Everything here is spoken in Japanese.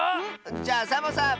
じゃあサボさん。